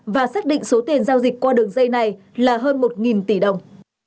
và xác định số tiền giao dịch qua đường dây này là hơn một tỷ đồng